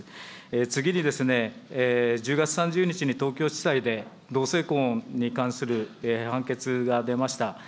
次にですね、１０月３０日に東京地裁で同性婚に関する判決が出ました。